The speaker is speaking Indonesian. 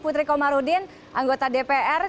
putri komarudin anggota dpr